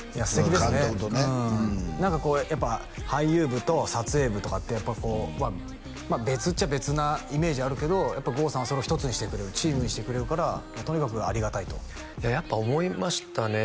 監督とねうん何かこうやっぱ俳優部と撮影部とかってやっぱりこうまあ別っちゃ別なイメージあるけど剛さんはそれを一つにしてくれるチームにしてくれるからもうとにかくありがたいといややっぱ思いましたね